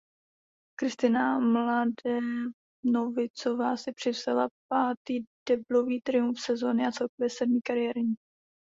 Kristina Mladenovicová si připsala pátý deblový triumf sezóny a celkově sedmý kariérní.